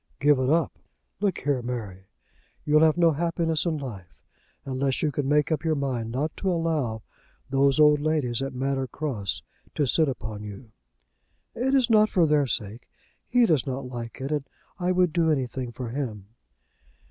"Give it up! Look here, Mary; you'll have no happiness in life unless you can make up your mind not to allow those old ladies at Manor Cross to sit upon you." "It is not for their sake. He does not like it, and I would do anything for him."